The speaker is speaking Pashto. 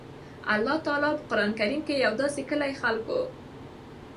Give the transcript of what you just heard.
الله تعالی په قران کريم کي د يو داسي کلي خلکو